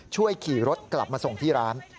ช่วยขี่รถกลับมาส่งที่ร้าน